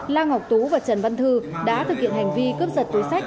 lan ngọc tú và trần văn thư đã thực hiện hành vi cướp giật túi sách